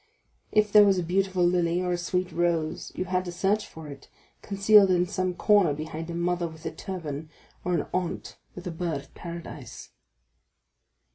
If there was a beautiful lily, or a sweet rose, you had to search for it, concealed in some corner behind a mother with a turban, or an aunt with a bird of paradise.